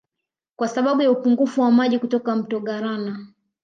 Kwa sababu ya upungufu wa maji kutoka Mto Galana